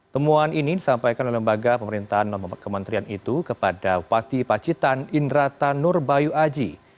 temuan ini disampaikan oleh lembaga pemerintahan dan pemerintahan itu kepada bupati pacitan indrata nurbayu aji